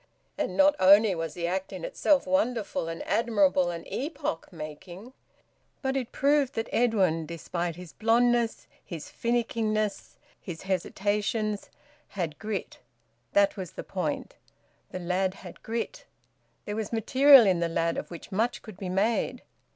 And not only was the act in itself wonderful and admirable and epoch making; but it proved that Edwin, despite his blondness, his finickingness, his hesitations, had grit. That was the point: the lad had grit; there was material in the lad of which much could be made.